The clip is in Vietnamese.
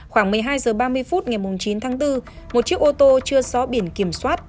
khoảng một mươi hai h ba mươi phút ngày chín tháng bốn một chiếc ô tô chưa xóa biển kiểm soát